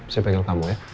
saya pegang kamu ya